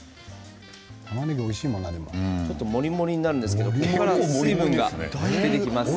ちょっともりもりになるんですけれどもここから水分が出てきますので。